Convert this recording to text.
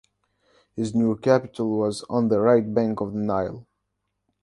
His new capital was on the right bank of the Nile.